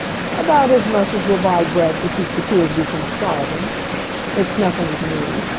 "About as much as will buy bread to keep the two of you from starving. It's nothing to me.